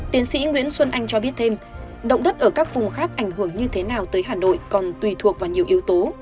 tiến sĩ nguyễn xuân anh cho biết thêm động đất ở các vùng khác ảnh hưởng như thế nào tới hà nội còn tùy thuộc vào nhiều yếu tố